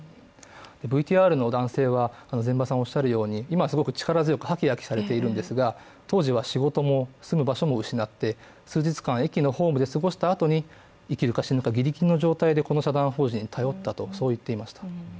ＶＴＲの男性は、今すごく力強くハキハキされているんですが、当時は仕事も住む場所も失って数日間、駅のホームで過ごしたあとに生きるか死ぬかじり貧の状態でこの社団法人に頼ったと言っていました。